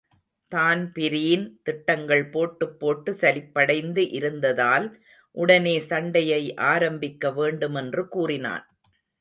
Dan Breen திட்டங்கள் போட்டுப் போட்டு சலிப்படைந்து இருந்ததால் உடனே சண்டையை ஆரம்பிக்க வேண்டுமென்று கூறினான்.